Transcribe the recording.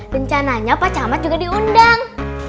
rencananya pak camat juga diundang